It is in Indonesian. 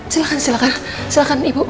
silahkan silahkan silahkan ibu